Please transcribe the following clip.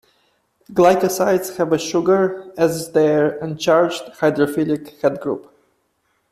Glycosides have a sugar as their uncharged hydrophilic headgroup.